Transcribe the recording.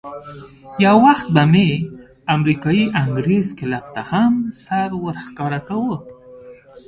یو وخت به مې امریکایي انګرېز کلب ته هم سر ورښکاره کاوه.